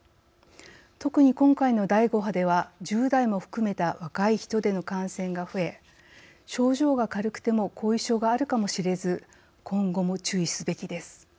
特に今回の第５波では１０代も含めた若い人での感染が増え症状が軽くても後遺症があるかもしれず今後も注意すべきです。